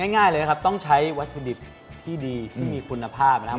ง่ายเลยนะครับต้องใช้วัตถุดิบที่ดีที่มีคุณภาพนะครับ